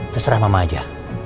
terserah mama aja